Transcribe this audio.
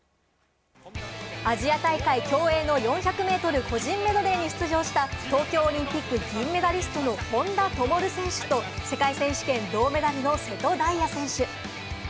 アジア大会、競泳の４００ｍ個人メドレーに出場した、東京オリンピック銀メダリストの本多灯選手と、世界選手権・銅メダルの瀬戸大也選手。